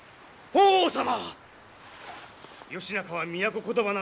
法皇様！